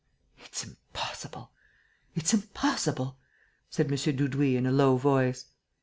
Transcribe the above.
"It's impossible! It's impossible!" said M. Dudouis, in a low voice.